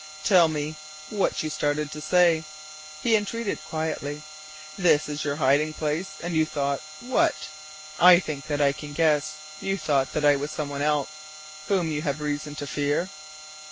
"Tell me what you started to say," he entreated quietly. "This is your hiding place, and you thought what? I think that I can guess. You thought that I was some one else, whom you have reason to fear."